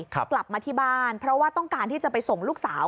กลับมาที่บ้านเพราะว่าต้องการที่จะไปส่งลูกสาว